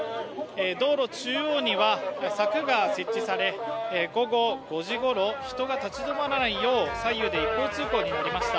道路中央には柵が設置され、午後５時ごろ、人が立ち止まらないよう左右で一方通行になりました。